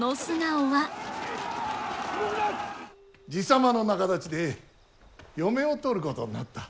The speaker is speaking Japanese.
爺様の仲立ちで嫁を取ることになった。